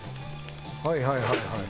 はいはいはいはい。